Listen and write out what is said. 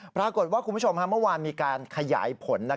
ปรากฏว่าคุณผู้ชมค่ะเมื่อวานมีการขยายผล